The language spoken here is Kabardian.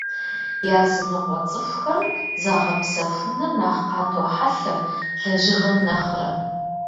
Языныкъуэ цӀыхухэм загъэпсэхуныр нэхъ къатохьэлъэ лэжьыгъэм нэхърэ.